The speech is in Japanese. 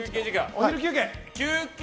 お昼休憩。